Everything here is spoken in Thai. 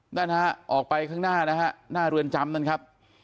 นั่นฮะออกไปข้างหน้านะฮะหน้าเรือนจำนั่นครับ